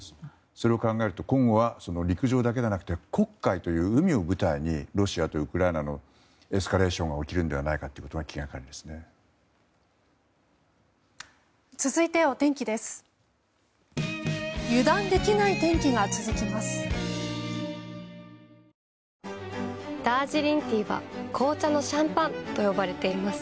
それを考えると、今後は陸上だけではなくて黒海という海を舞台にロシアとウクライナのエスカレーションは起きるのではないかということがダージリンティーは紅茶のシャンパンと呼ばれています。